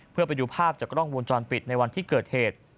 เพื่อไปดูภาพจากกล้องวงจรปิดในวันที่เกิดเหตุ